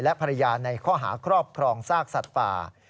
และภรรยาในข้อหาครอบครองซากสัตว์ป่า